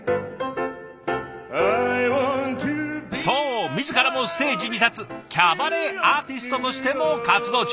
そう自らもステージに立つキャバレーアーティストとしても活動中。